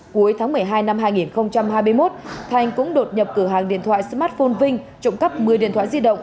cuối tháng một mươi hai năm hai nghìn hai mươi một thành cũng đột nhập cửa hàng điện thoại smartphone vinh trộm cắp một mươi điện thoại di động